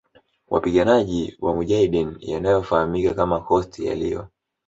wapiganaji wa mujahideen yanayo fahamika kama Khost yaliyo